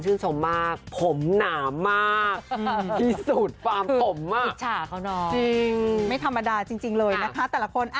เราจะมีความสบายเรียบง่าย